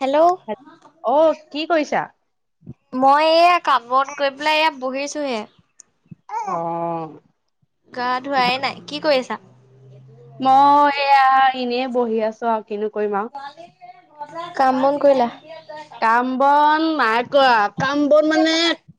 Hello অ', কি কৰিছা? মই এইয়া কামত গৈ পেলাই এয়া বহিছো। ছয় অ। গা ধুৱায়ে নাই কি কৰিছা? মই এয়া এনেই বহি আছো আৰু কিনো কৰিবা কাম বন কৰিলা, কাম- বন নাই কৰা কাম বন মানে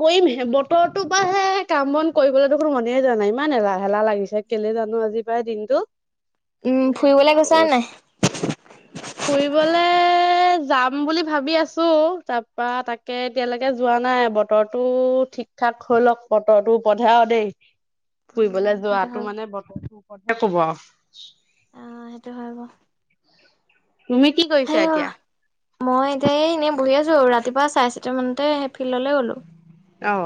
কৰিমহে বতৰটো পৰা সেই কাম বন কৰিবলৈ দেখোন মনে যোৱা নাই, ইমান এলাহ এলাহ লাগিছে কেলে জানো আজি পায় দিনটো উম ফুৰিবলে গৈছা নাই? ফুৰিবলে যাম বুলি ভাবি আছো, তাৰপা তাকে এতিয়ালৈকে যোৱা নাই, বতৰটো ঠিক ঠাক হৈ লওক বতৰটো কথাও দেই উম ফুৰিবলৈ সেইটো যোৱাতো হয় মানে বতৰটো কথা ক'ব আৰু আহ সেইটো হয় বাৰু তুমি কি কৰিছা হায়ও এতিয়া? মই এতিয়া এই এনে বহি আছো আৰু ৰাতিপুৱা চাৰে চাৰিটা মানতে সেই ফিল্ডলৈ গলো। অ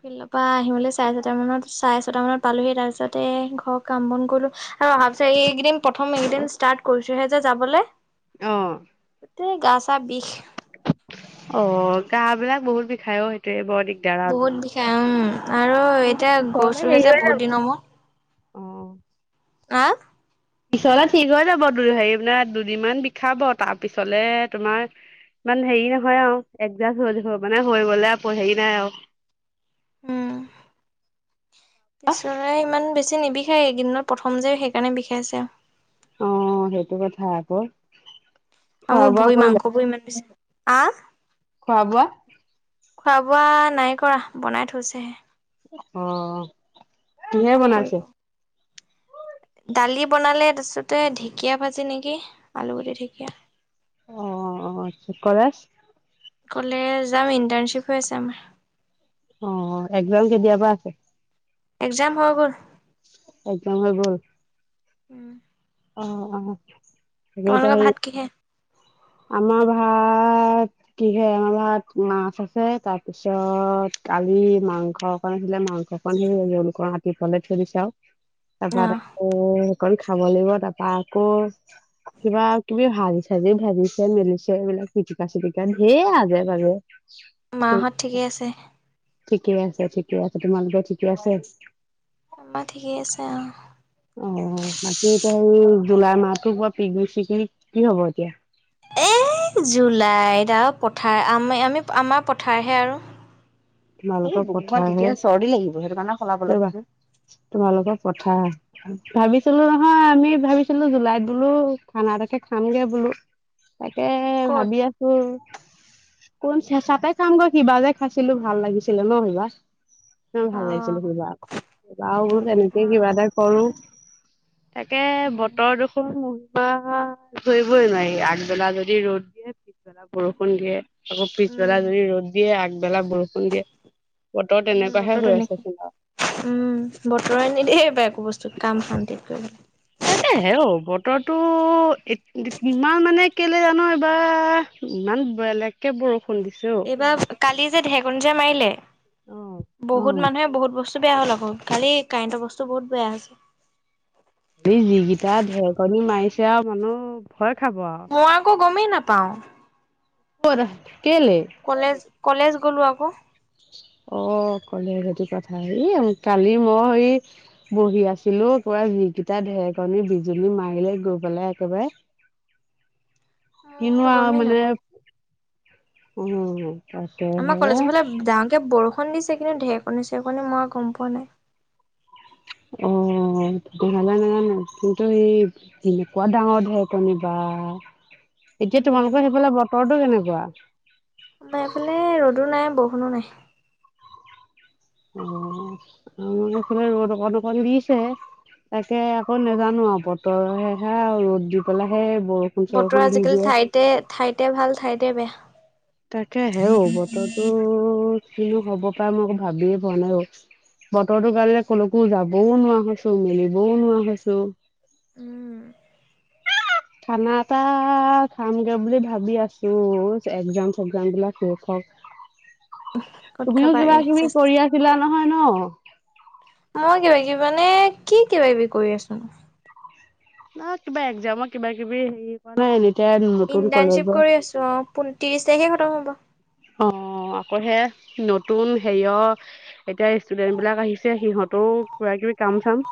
ফিল্ডৰ পৰা আহিমেলি চাৰে ছটা মানত, ছাৰে ছটা মানত পালোহি, তাৰ পিছতে ঘৰ কাম বন কৰিলো, আৰু অহাৰ পিছত এইকেইদিন প্ৰথম এইকেইদিন ষ্টাৰ্ট কৰিছোহে যে যাবলৈ অহ গোটেই গা-চা বিষ অ গা বিলাক বহুত বিষাইও সেইটোয়ে বৰ দিগদাৰ আৰু বহুত দুদিন বিষাই অহ, আৰু কিন্তু এতিয়া পিছলে গৈছোঁ হে হেৰি যে হৈ যাব বহুত দিনৰ মূৰত অ আহ পিছলে ঠিক হৈ যাব দুই, হেৰি মানে দুদিনমান বিষাব তাৰ পিছলে তোমাৰ ইমান হেৰি নহয়, আৰু একজাষ্ট হৈ মানে হৈ গলে আ হেৰি নাই আৰু উম পিছৰে ইমান বেছি নিবিষাই সেই এইকেদিনত প্ৰথম যে সেইকাৰণে বিষাইছে অ, অ সেইটো কথা আকৌ খোৱা আৰু বোৱা ভৰি কৰিলা মাংস বোৰ ইমান বেছি আহ খোৱা বোৱা খোৱা বোৱা নাই কৰা বনাই থৈছেহে অ কিহে বনাইছে? কৰিব। দালি বনালে, তাৰপিছতে ঢেঁকীয়া ভাজি নেকি আলুগুটি ঢেকীয়া। অ অ চ কলেজ কলেজ যাম, ইণ্টাৰ্ণশ্বিপ হৈ আছে আমাৰ, অ এক্সাম কেতিয়া পৰা আছে? এক্সাম হৈ গ'ল। সম্পূৰ্ণ গল? উম অ অ তাকে এতিয়া তোমালোকৰ সেই ভাত কিহে আমাৰ ভাত কি হয় আমাৰ ভাত মাছ আছে তাৰপিছত কালি মাংস অকন আছিলে মাংসক সেইলোক ৰাতিফুৱালে থৈ দিছা আৰু তমাৰ অ কৰি খাব লাগিব তাৰপা আকৌ কিবা কিবি ভাজি চাজি ভাজি মেছিয়া এইবিলাক পিটিকা চিটিক সে আজে পাজে মাহত ঠিকেই আছে ঠিকে আছে ঠিকেও আছে তোমালোকৰ ঠিকে আছে আমাৰ ঠিকেই আছে অ'। অ বাকি ত জুলাই মাহটো কোৱা পিকনিক চিকনিক কি হ'ব এতিয়া এ জুলাইত আৰু পথাৰ আমি আমি আমাৰ পথাৰহে আৰু তোমোকৰ চদি লিব সেইটো কাৰেল তোমালোকৰ পথা ভাবিছিলো নহয় আমি ভাবিছিলো জুলাইত বোলো খানা এাকে খামগে বোলো তাকে ক'ত ভাবি আছো কোন চচাতে খামগৈ কিবা যে খাইছিলো ভাল লাগিছিলে ন সিবা ভাল লাগিছিল অ', কিবা আকৌ কিব এনেকে উম, কিবা এটা কৰো তাকে বতৰ দেখোন ধৰিবই নোৱাৰি আগবেলা যদি ৰ'দ দিয়ে পিছবেলা বৰষুণ দিয়ে আকৌ পিছবেলা উম, যদি ৰ'দ দিয়ে আকবেলা ব উম বতৰ আছে এনেকে চোন উম বতৰে নিদেই বা একো বস্তু কাম শান্তিত কৰি তে হে অ বতৰটো ইমান মানে কেলে জানো এইবাৰ ইমান বেলেগকে বৰষুণ দিছে অ। এইবাৰ কালি যে ঢেকুজা মাৰিলে [unintelligible] বহুত মানুহে বহুত বস্তু বেয়া হ'ল আকৌ খালি কাৰেণ্টৰ বস্তু বহুত বেয়া হৈছে এই যিকিটা ঢেৰকনি মাৰিছে আৰু মানহ হয় খাব আৰু মই আকৌ গমেই নাপাওঁ বত কলেজ কলেজ গ'ল আকৌ অ কলে সতি কথা হ কালি মই এই বহি আছিলো কবাৰ যিকেইটা ঢেৰেকনী বিজুলী মাৰিলে গৈ পেলাই একেবাৰে ইন মই গমেই মানে নাপাওঁ উম আমাৰ কলেজৰ ফালে ডাঙকে বৰষুণ সুন দিছে কিন্তু ঢেৰকনী সেৰেকণি মৰা গম পোৱা নাই। অঁ, [unintelligible] নাজানো কিন্তু সেই কেনেকুৱা ডাঙৰ ধেৰেকনী বা। এতিয়া উম তোমালোকৰ সেইফালে বতৰটো কেনেকুৱা [unintelligible] আমাৰ এইফালে ৰ'দো নাই বৰষুণো নাই। অঁ আৰু আমাৰফালে ৰ'দ অকণ অকণ দিছে, তাকে আকৌ নেজানো আৰু বতৰ সেহে ৰ'দ দি পেলাই সে বতৰ আজিকালি ঠাইতে- ঠাইতে ভাল, ঠাইতে বেয়া। তাকে হে অ', বতৰতো কিনো হ'ব পাই মই একো ভাবিয়ে পোৱা নাই অ', বতৰটোৰ কাৰনে কলৈকো যাবও নোৱাৰা হৈছো, মেলিবও নোৱাৰা হৈছো। উম। খানা এটা খামগে বুলি ভাবি আছো, একজাম চেগজাম বিলাক শেষ হক। ক'ত তুমিও কিবা খাবাগে কিবি চেচ। কৰি আছিলা নহয় ন। মই কিবা কিবি মানে, কি কিবা কিবি কৰি আছো নু। না কিবা একজামৰ কিবা কিবি হেৰি কৰা নাই এতিয়া নতুন ইণ্টাৰ্ণশ্বিপ কলেজৰ কৰি আছো অঁ, পোন ত্ৰিশ তাৰিখে খতম হ'ব। পঢ়ে, নতুন হেৰিয় এতিয়া ষ্টুডেন্ট বিলাক আহিছে, সিহঁতেও কিবা কিবি কাম চাম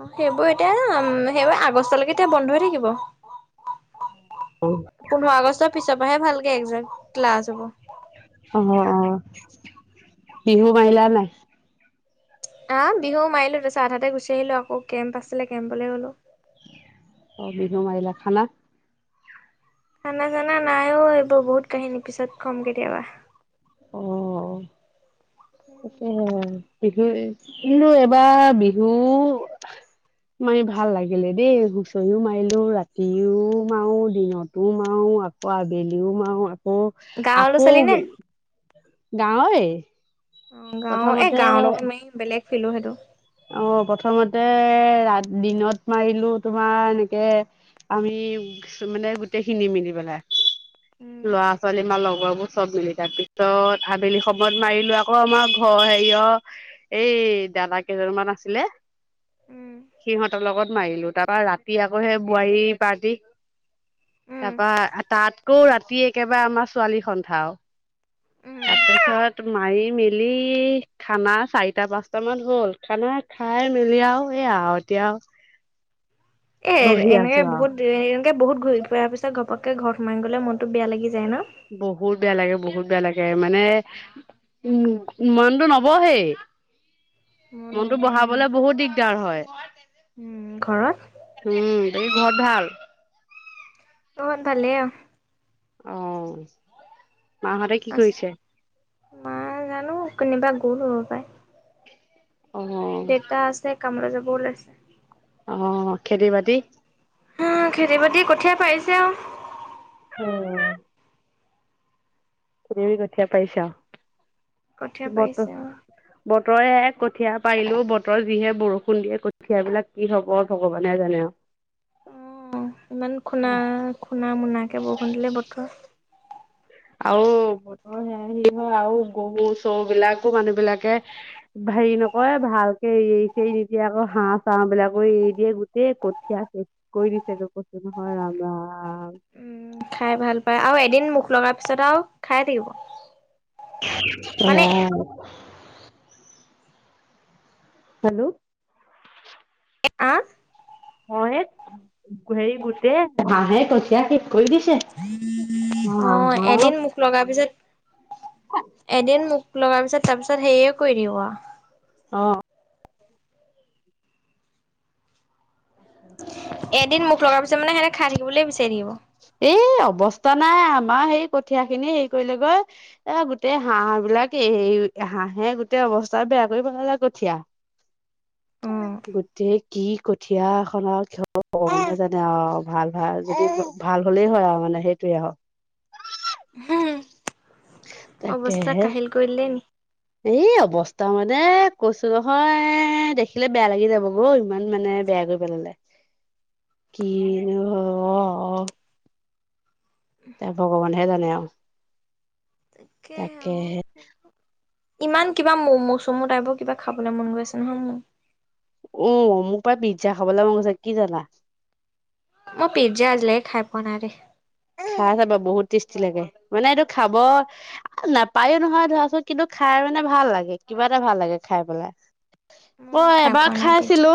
অঁ, সেইবোৰ এতিয়া উম সেইবোৰ আগষ্টলৈকে এতিয়া বন্ধ হৈ থাকিব। পোন্ধৰ আগষ্টৰ পিছত এবাৰহে ভালকে একজাম ক্লাছ হ'ব। অ', অ', বিহু মাইলা নাই। আহ, বিহু মাৰিলো, তাৰ পিছত আধাতে গুচি আহিলো আকৌ কেম্প আছিলে কেম্পলৈ গ'লো। অ, বিহু মাৰিলা, খানা? খানা চানা নাই অ, এইবোৰ বহুত কাহিনী পিছত ক'ম কেতিয়াবা। অঁ। তাকেহে আৰু। বিহু কিন্তু এবাৰ বিহু মাৰি ভাল লাগিলে দেই, হুঁচৰিও মাৰিলো, ৰাতিও মাৰো, দিনতো মাৰো, আকৌ আবেলিও মাৰো। অ, গাঁৱলৈ আকৌ চালি নে গাঁৱৰেই। অঁ, গাঁৱৰ এ, গাঁৱৰ লগত মাৰি বেলেগ ফিলো সেইটো। অঁ, প্ৰথমতে ৰাতি দিনত মাৰিলো তোমাৰ এনেকে আমি মানে গোটেইখিনি মিলি পেলাই, উম ল'ৰা ছোৱালী বা লগৰবোৰ চব মিলি পেলাই, তাৰপিছত আবেলি সময়ত মাৰিলো আকৌ আমাৰ ঘৰ হেৰিয় এই দাদা কেইজনমান আছিলে, উম সিহঁতৰ লগত মাৰিলো, তাৰপা ৰাতি আকৌ সেই বোৱাৰী পাৰ্টি উম তাৰপা তাতকৈ ৰাতি একেবাৰে আমাৰ ছোৱালী সন্থাও, উম তাৰপিছত মাৰি মেলি [unintelligible] খানা চাৰিটা পাঁচটা মান হ'ল, খানা খাই মেলি আৰু এয়া আৰু, এতিয়া আৰু এ, এনেকে বহুত দেৰি এনেকে বহুত ঘূৰি ফুৰাৰ পিছত ঘপককে ঘৰত সোমাই গ'লে মনত বেয়া লাগি যায় ন। বহুত বেয়া লাগে বহুত বেয়া লাগে মানে উম, মনতটো নবহেই। মন মনতো নবহে বঢ়াবলে বহুত দিগ ক হয়। উম ঘৰত উম। বাকি ঘৰত ভাল। অন ভালাও। আহ। মাহতে কি আছো কৰিছে? মা জানো কেনবা গল হ'ব পায়। অ ডটা আছে। কামৰা যাব ওলাইছে। অ, খেতি বাতি হ, খেতি বাতি কঠিয় পাইছে আৰু। অ। তবি কঠয়া পাইচা। কঠীয়া বতৰ পাৰিছে আৰু বতৰে [unintelligible] কঠিয়া পাৰিলো বতৰ যিহে বৰষুণ দিয়ে কঠিয়া বিলাক কি হব ভগৱানে জানে অ ইমান খুণা খুণা মোনাকে বৰষুণ দিলে বতৰ আও বতৰ সেয়া সে হয় আ গৰু চৰু বিলাকো মানুহ বিলাকে হেৰি নকয় ভালকে এৰিছেৰি নিদিয়ে আকৌ হাঁহ চাঁ বিলাকো এৰি দিয়ে গোটেই কঠিয় কৰি দিছে কৈছ নহয় ৰামা উম খাই ভাল পায় আৰু এদিন মুখ লগা পিছত আৰু খাই থাকিব উ মানে হেল্ল' আ অ হেৰি গোটেই হাঁহে কঠিয়া শেষ কৰি দিছে অ এদিন মুখ লগাৰ পিছত এদিন মোক লগাৰ পিছত তাৰপিছত হেই এ কৰি দিও আৰু অঁ এদিন মুখ লগাৰ পিছত মানে সেনে খাই কিবলেই বিচাৰি থাকিব এই অৱস্থা নাই আমাৰ সেই কঠিয়া খিনি হেৰি কৰিলেগৈ এ গোটেই হাঁহ বিলাক এই হাঁহে গোটেই অৱস্থা বেয়া কৰি পেলে কঠিয়া গোটেই কি কঠিয়া এ খনৰ ক জানে অ ভাল ভাল ভাল হ'লেই হয় আৰু মানে সেইটোয়ে আৰু অ', অৱস্থা তাকেহে কাহিল কৰি দিলে নি এই অৱস্থা ক মানে কৈছো নহয় দেখিলে বেয়া লাগি যাব গৌ ইমান মানে বেয়া কৰি পেলালে কিনো এ ভগৱানহে জানে আৰু তাকে তাকেহে ইমান কিবা ম মৌচমু টাইপৰ কিবা খাবলৈ মন গৈছে নহয় মো আহ মোৰ প্ৰায় পিজ্জা খাবলৈ মন গৈছে কি জানা মই পিজ্জা আজিলে খাই পোৱা নাই দে খাই চাবা বহুত টেষ্টি লাগে মানে এইটো খাব নাপায়ো নহয় ধৰাচোন কিন্তু খাই মানে ভাল লাগে কিবা এটা ভাল লাগে খাই পেলাই অঁ মই খাই এবাৰ পোৱা নাই পিজ্জা। খাইছিলো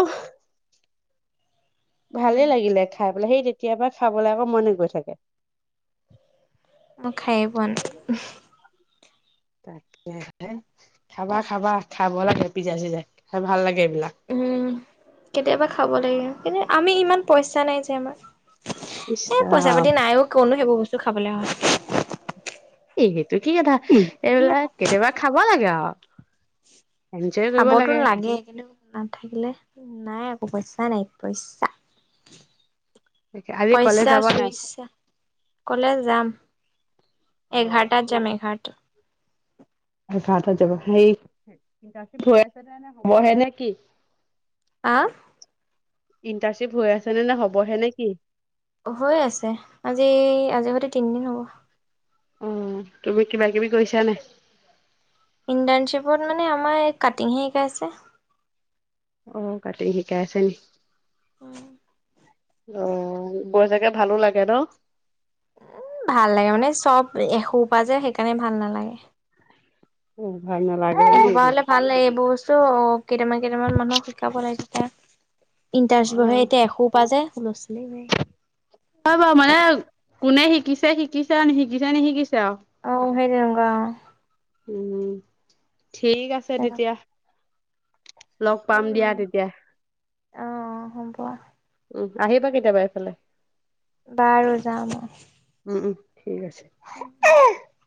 ভালে লাগিলে খাই পেলাই সেই তেতিয়া কেতিয়াবা খাবলৈ আকৌ মনে গৈ থাকে মই খায়েই পোৱা নাই তাকেহে খাবা খাবা খাব লাগে পিজ্জা চিজা খাই ভাল লাগে এইবিলাক উম কেতিয়াবা খাব লাগে কিন্তু আমি ইমান পইচাঁ নাই যে আমাৰ ইচ এ পইচা ৰাম পাতি নাইওঁ কতনো সেইবোৰ বস্তু খাবলৈ হয় [unintelligible] ত কি কথা এইবিলাক কেতিয়াবা খাব লাগে আৰু এনজয় কৰিব খাবতো লাগে কিন্তু নাথাকিলে নাই একো পইচাঁ নাই পইচাঁ আজি কলেজ পইচাঁ যাব নাই চুইচাঁ কলে যাম এঘাৰটাত যাম এঘাৰটা বাৰটাত যাব হে আছে ন নে হবহে নে কি অঁ ইণ্টাৰণশ্বিপ হৈ আছে নে নে হ'বহে নে কি হৈ আছে আজি আজি সতৈ তিনিদিন হ'ব অঁ তুমি কিবা কিবি কৈছানে ইণ্টাৰ্ণশ্বিপত মানে আমাৰ কাটিংহে শিকাইছে অঁ কাটিং শিকাই ছে উম অ বৈ চাগে ভালো লাগে ন উম ভাল লাগে মানে চব এসোপা যে সেইকাৰণে ভাল নালাগে উম ভাল নালাগে এসোপা হলে ভাল লাগে এইবোৰ বস্তু কেইটামান কেইটামান মানুহক শিকা পলাই থে ইণ্টাৰচ অ বহে এতিয়া এসোপা যে নচলেই বা হয় বাৰু মানে কোনে শিকিছে শিকিছে নি শিকিছে নিশিকিছে চে আৰু অ সেই তেনেকুৱা উম ঠিক আছে তেতিয়া লগ পাম দিয়া উম, তেতিয়া অ', হ'ব উম আহিবা কেতিয়াবা এইফালে বাৰু যাম মই। উম উম ঠিক আছে। [unintelligible]